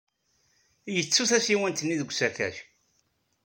Yettu tasiwant-nni deg usakac.